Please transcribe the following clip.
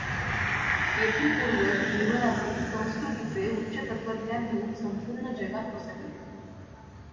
येथील पूर्वज जीवनाचे, संस्कृतीचे उच्च तत्त्वज्ञान घेऊन संपूर्ण जगात पसरले.